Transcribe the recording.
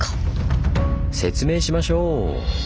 説明しましょう！